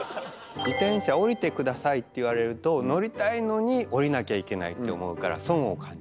自転車降りて下さいって言われると乗りたいのに降りなきゃいけないって思うから損を感じますよね。